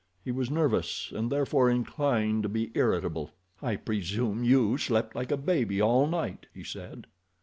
He was nervous, and therefore inclined to be irritable. "I presume you slept like a baby all night," he said.